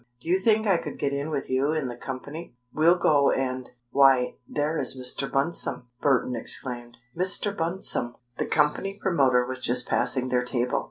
Do you think I could get in with you in the company?" "We'll go and Why, there is Mr. Bunsome!" Burton exclaimed. "Mr. Bunsome!" The company promoter was just passing their table.